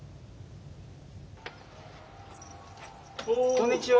こんにちは。